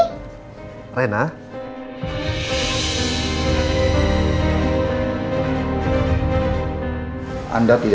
anda tidak diinginkan untuk mendekati meja itu